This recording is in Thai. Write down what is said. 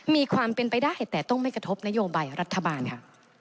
มีความเป็นไปได้แต่ต้องไม่กระทบนโยบายรัฐบาลค่ะ